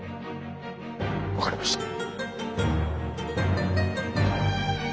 分かりました。